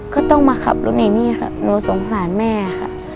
ก็ต้องมาขับรถไอ้นี่ค่ะหนูสงสารแม่ค่ะ